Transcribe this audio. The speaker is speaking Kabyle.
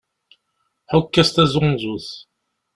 Ḥukk-as taẓunẓut!